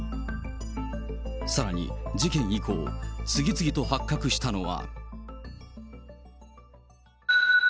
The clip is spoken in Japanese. さらに事件以降、次々と発覚したのは。